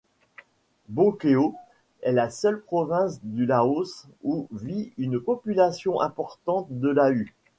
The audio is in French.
Bokeo est la seule province du Laos où vit une population importante de Lahu.